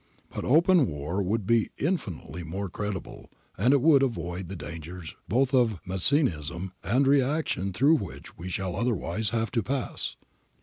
But open war would be infinitely more creditable, and it would avoid the dangers both of Mazzinism and reaction through which we shall otherwise have to pass.